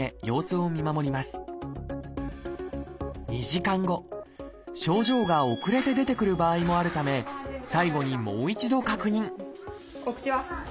２時間後症状が遅れて出てくる場合もあるため最後にもう一度確認お口は？